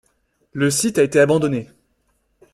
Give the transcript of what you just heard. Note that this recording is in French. Le site a été abandonné.